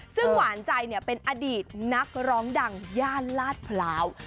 ซึ่งหวานใจเป็นอดีตนักร้องดังย่านลาดพร้าว